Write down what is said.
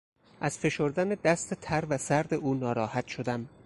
از فشردن دست تر و سرد او ناراحت شدم.